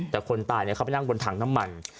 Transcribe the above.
แต่คนตายเขาไม่ได้นั่งอยู่บนถังน้ำมัน